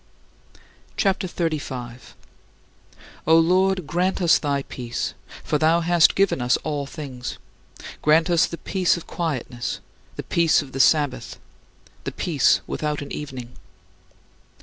CHAPTER XXXV 50. O Lord God, grant us thy peace for thou hast given us all things. Grant us the peace of quietness, the peace of the Sabbath, the peace without an evening.